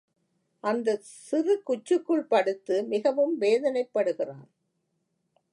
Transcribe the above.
அந்தச் சிறு குச்சுக்குள் படுத்து மிகவும் வேதனைப்படுகிறான்.